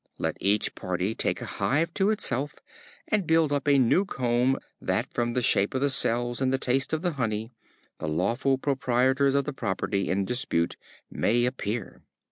Let each party take a hive to itself, and build up a new comb, that from the shape of the cells and the taste of the honey, the lawful proprietors of the property in dispute may appear."